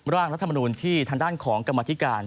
ร่างรัฐมนูลที่ทางด้านของกรรมธิการ